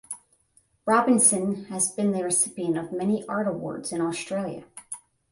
Robinson has been the recipient of many art awards in Australia.